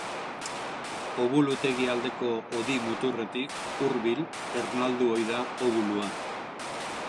Obulutegi aldeko hodi muturretik hurbil ernaldu ohi da obulua.